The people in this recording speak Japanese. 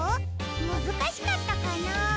むずかしかったかな？